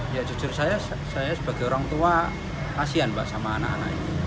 ya jujur saya sebagai orang tua kasihan sama anak anak ini